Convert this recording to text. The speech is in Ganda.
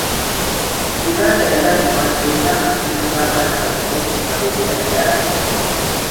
Yuganda yalagibwa nti erina amasomero g’abaana abato agawerera ddala